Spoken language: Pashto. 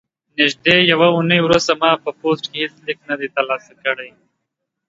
نږدې یوه اونۍ وروسته ما په پوسټ کې هیڅ لیک نه دی ترلاسه کړی.